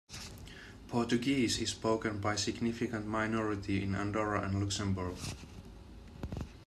Portuguese is spoken by a significant minority in Andorra and Luxembourg.